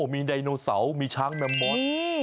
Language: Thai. มีไดโนเสาร์มีช้างแมมมอน